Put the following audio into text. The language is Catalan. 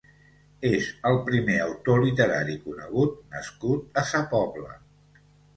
És el primer autor literari conegut nascut a sa Pobla.